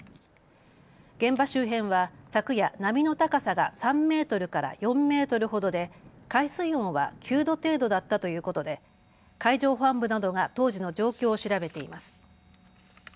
現場周辺は昨夜波の高さが３メートルから４メートルほどで海水温は９度程度だったということで海上保安部などが当時の状況を調べています。